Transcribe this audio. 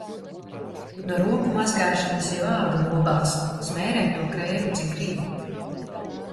No roku mazgāšanas jau āda lobās, smērē to krēmu, cik gribi.